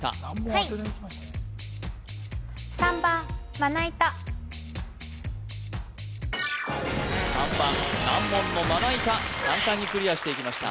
はい３番難問のまないた簡単にクリアしていきました